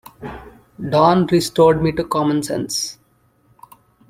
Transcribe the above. Dawn restored me to common sense.